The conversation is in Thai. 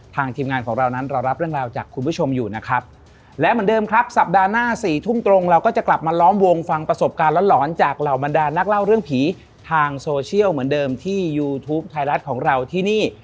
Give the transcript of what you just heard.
ทีมงานของเรานั้นเรารับเรื่องราวจากคุณผู้ชมอยู่นะครับและเหมือนเดิมครับสัปดาห์หน้าสี่ทุ่มตรงเราก็จะกลับมาล้อมวงฟังประสบการณ์หลอนจากเหล่าบรรดานักเล่าเรื่องผีทางโซเชียลเหมือนเดิมที่ยูทูปไทยรัฐของเราที่นี่